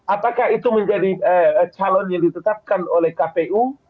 apakah itu menjadi calon yang ditetapkan oleh kpu